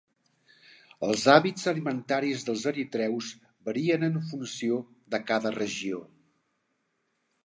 Els hàbits alimentaris dels eritreus varien en funció de cada regió.